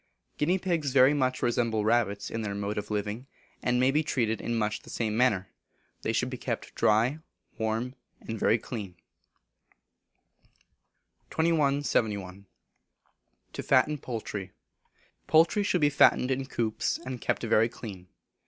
Guinea Pigs very much resemble rabbits in their mode of living, and may be treated in much the same manner. They should be kept dry, warm, and very clean. 2171. To Fatten Poultry. Poultry should be fattened in coops, and kept very clean.